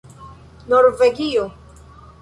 norvegio